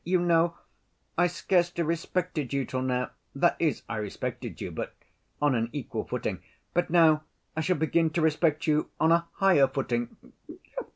You know, I scarcely respected you till now—that is I respected you but on an equal footing; but now I shall begin to respect you on a higher footing.